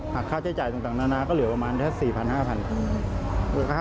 ค่าใช้จ่ายต่างนานาก็เหลือประมาณแค่๔๐๐๕๐๐บาท